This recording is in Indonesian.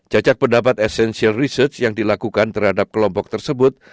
jajak pendapat essential research yang dilakukan terhadap kelompok tersebut